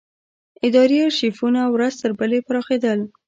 اداري ارشیفونه ورځ تر بلې پراخېدل.